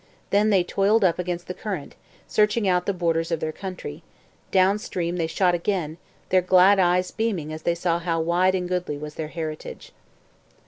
Then they toiled up against the current, searching out the borders of their country; down stream they shot again, their glad eyes beaming as they saw how wide and goodly was their heritage.